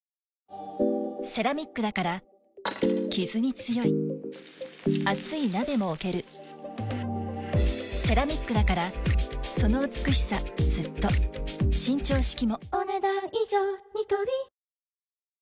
セラミックだからキズに強い熱い鍋も置けるセラミックだからその美しさずっと伸長式もお、ねだん以上。